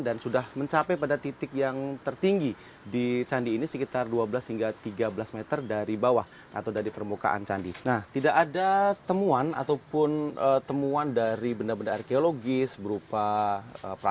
dan sudah mencapai pada titik yang tertinggi di candi ini sekitar dua juta dolar